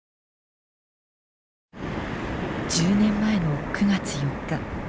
１０年前の９月４日。